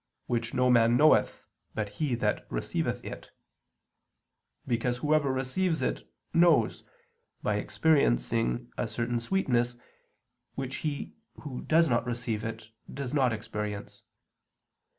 .. which no man knoweth, but he that receiveth it," because whoever receives it knows, by experiencing a certain sweetness, which he who does not receive it, does not experience.